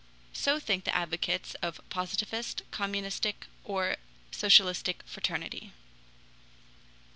So think the advocates of Positivist, Communistic, or Socialistic fraternity.